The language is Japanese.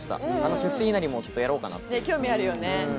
出世稲荷もやろうかな。